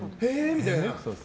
みたいな。